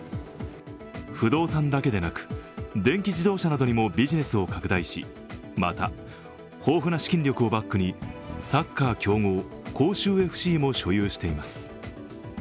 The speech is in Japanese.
不動産だけでなく、電気自動車などにもビジネスを拡大しまた、豊富な資金力をバックにサッカー強豪広州ＦＣも所有しています。